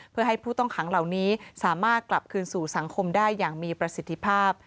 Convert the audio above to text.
เพื่อให้ผู้ต้องขังเหล่านี้สามารถกลับคืนสู่สังคมได้อย่างมีประสิทธิภาพ